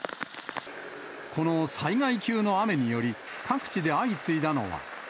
この災害級の雨により、各地で相次いだのは。